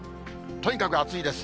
とにかく暑いです。